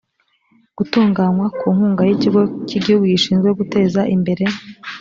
gutunganywa ku nkunga y ikigo cy igihugu gishinzwe guteza imbere